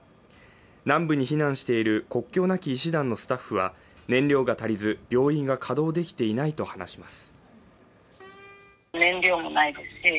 南部に避難している国境なき医師団のスタッフは燃料が足りず病院が稼働できていないと話しています。